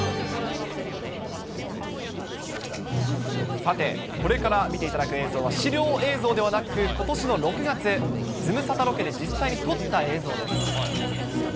さて、これから見ていただく映像は資料映像ではなく、ことしの６月、ズムサタロケで実際に撮った映像です。